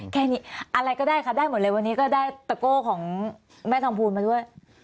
แค่นี้อะไรก็ได้ค่ะได้หมดเลยวันนี้ก็ได้ตะโก้ของแม่ทองพูนมาด้วย